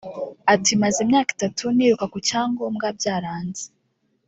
Ati “Maze imyaka itatu niruka ku cyangombwa byaranze